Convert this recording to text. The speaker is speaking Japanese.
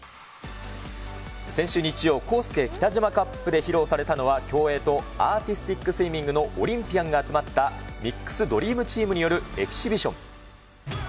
先週日曜、コースケ・キタジマカップで披露されたのは、競泳とアーティスティックスイミングのオリンピアンが集まったミックスドリームチームによるエキシビション。